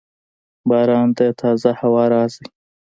• باران د تازه هوا راز دی.